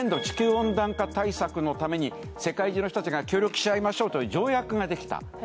地球温暖化対策のために世界中の人たちが協力し合いましょうという条約ができた。